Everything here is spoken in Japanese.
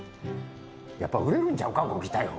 やっぱ売れるんちゃうか「ゴキ逮捕！」。